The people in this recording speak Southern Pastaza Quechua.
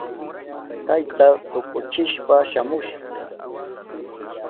Kayta tukuchishpa shamusha.